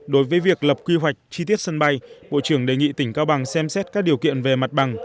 đối với việc lập quy hoạch chi tiết sân bay bộ trưởng đề nghị tỉnh cao bằng xem xét các điều kiện về mặt bằng